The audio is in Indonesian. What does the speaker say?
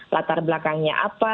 latar belakangnya apa